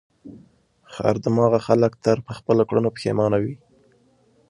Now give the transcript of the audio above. خر دماغه خلک تل پر خپلو کړنو پښېمانه وي.